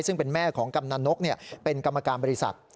ซึ่งเป็นแม่ของกำนันนกเป็นกรรมการบริษัท